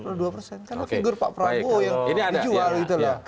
karena figur pak prabowo yang dijual gitu loh